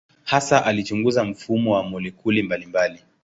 Hasa alichunguza mfumo wa molekuli mbalimbali.